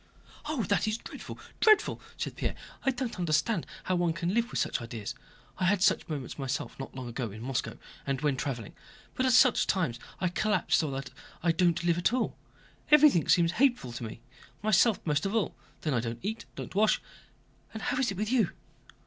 "Oh, that is dreadful, dreadful!" said Pierre. "I don't understand how one can live with such ideas. I had such moments myself not long ago, in Moscow and when traveling, but at such times I collapsed so that I don't live at all—everything seems hateful to me... myself most of all. Then I don't eat, don't wash... and how is it with you?..."